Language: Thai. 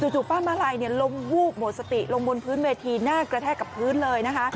จู่ป้ามาลัยล้มวูบหมดสติลงบนพื้นเวทีหน้ากระแทกกับพื้นเลยนะคะ